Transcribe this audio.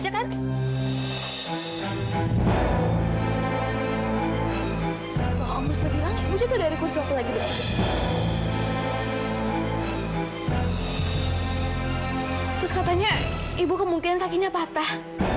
terus katanya ibu kemungkinan kakinya patah